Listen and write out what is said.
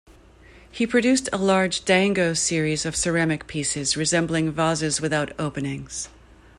He produced a large "Dango" series of ceramic pieces resembling vases without openings.